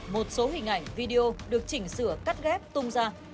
một số hình ảnh video được chỉnh sửa cắt ghép tung ra